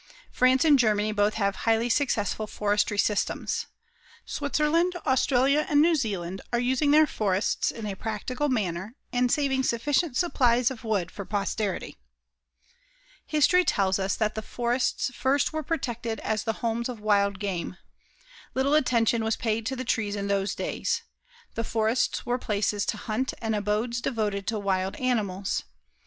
France and Germany both have highly successful forestry systems. Switzerland, Australia, and New Zealand are using their forests in a practical manner and saving sufficient supplies of wood for posterity. History tells us that the forests first were protected as the homes of wild game. Little attention was paid to the trees in those days. The forests were places to hunt and abodes devoted to wild animals.